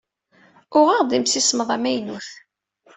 Uɣaɣ-d imsismeḍ amaynut.